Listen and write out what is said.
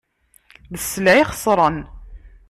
D sselɛa ixesren.